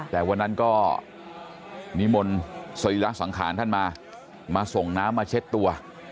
แต่วันนั้นก็นิมนต์สรีระสังขารท่านมามาส่งน้ำมาเช็ดตัว